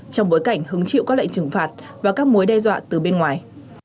trong bối cảnh hứng chịu các lệnh trừng phạt và các mối đe dọa từ bên ngoài